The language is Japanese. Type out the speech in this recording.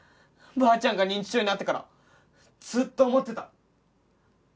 ばあちゃんが認知症になってからずっと思ってた。